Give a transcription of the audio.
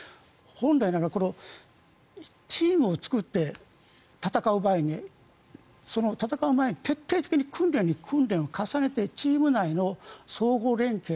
本来ならチームを作って戦う場合に戦う前に徹底的に訓練に訓練を重ねてチーム内の相互連携